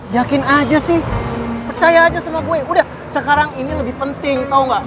yakin aja sih percaya aja sama gue udah sekarang ini lebih penting tau gak